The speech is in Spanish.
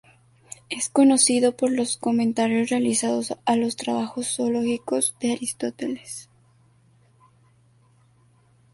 Es conocido por los comentarios realizados a los trabajos zoológicos de Aristóteles.